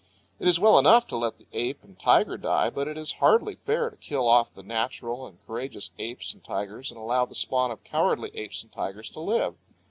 It is well enough to let the ape and tiger die, but it is hardly fair to kill off the natural and courageous apes and tigers and allow the spawn of cowardly apes and tigers to live.